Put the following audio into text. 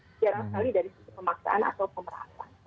jarang sekali dari sisi pemaksaan atau pemerasan